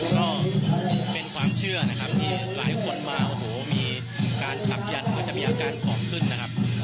ก็เป็นความเชื่อนะครับที่หลายคนมาโอ้โหมีการศักดันก็จะมีอาการของขึ้นนะครับ